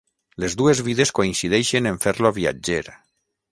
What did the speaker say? Les dues vides coincideixen en fer-lo viatger.